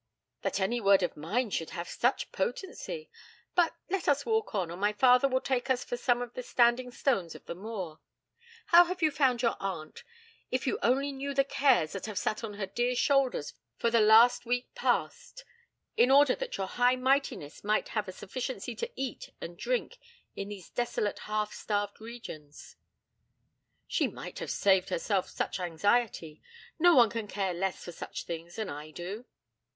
'That any word of mine should have such potency! But, let us walk on, or my father will take us for some of the standing stones of the moor. How have you found your aunt? If you only knew the cares that have sat on her dear shoulders for the last week past, in order that your high mightyness might have a sufficiency to eat and drink in these desolate half starved regions.' 'She might have saved herself such anxiety. No one can care less for such things than I do.'